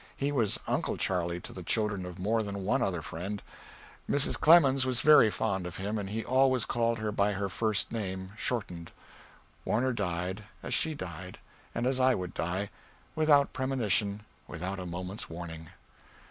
He was "Uncle Charley" to the children of more than one other friend. Mrs. Clemens was very fond of him, and he always called her by her first name shortened. Warner died, as she died, and as I would die without premonition, without a moment's warning.